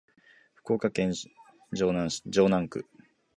福岡市城南区